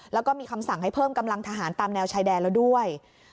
แล้วก็มีคำสั่งให้เพิ่มกำลังทหารตามแนวชายแดนแล้วด้วย